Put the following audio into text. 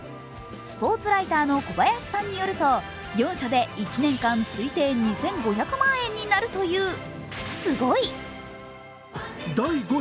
スポーツライターの小林さんによると、４社で１年間推定２５００万円になるという。